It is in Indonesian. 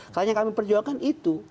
selain yang kami perjuangkan itu